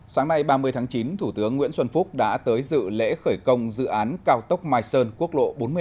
sáng nay ba mươi tháng chín thủ tướng nguyễn xuân phúc đã tới dự lễ khởi công dự án cao tốc myson quốc lộ bốn mươi năm